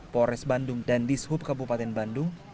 polres bandung dan dishub kabupaten bandung